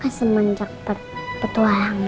kan semenjak petualangan